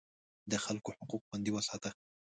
د خلکو حقوق خوندي وساته.